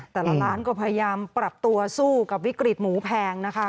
แต่ละร้านก็พยายามปรับตัวสู้กับวิกฤตหมูแพงนะคะ